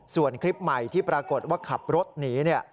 ส่วนคลิปใหม่ที่ปรากฏว่าขับรถหนีเนี่ย